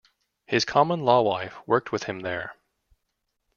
His common-law wife worked with him there.